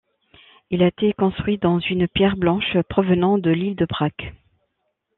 Il a été construit dans une pierre blanche provenant de l'île de Brač.